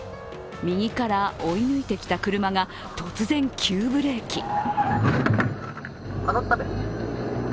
右から追い抜いてきた車が突然、急ブレーキ。